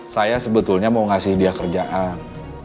saya sebetulnya mau ngasih dia kerjaan